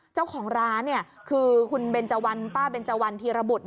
เจ้าของร้านคือคุณเบนเจวันป้าเบนเจวันธีรบุตร